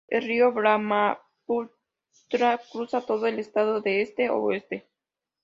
El río Brahmaputra cruza todo el estado de este a oeste.